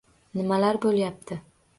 Nimalar bo`lyapti